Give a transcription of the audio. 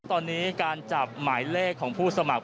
ตอนนี้การจับหมายเลขของผู้สมัคร